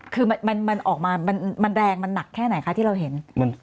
คือมันออกมามันแรงมันหนักแค่ไหนคะที่เราเห็น